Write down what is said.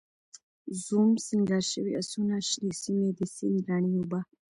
زوم، سینګار شوي آسونه، شنې سیمې، د سیند رڼې اوبه